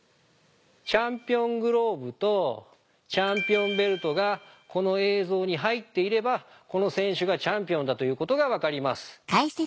チャンピオングローブとチャンピオンベルトがこの映像に入っていればこの選手がチャンピオンだということが分かります。